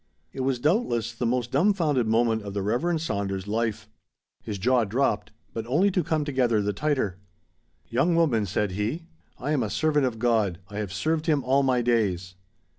'" It was doubtless the most dumbfounded moment of the Reverend Saunders' life. His jaw dropped. But only to come together the tighter. "Young woman," said he, "I am a servant of God. I have served Him all my days."